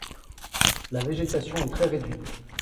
La végétation est très réduite.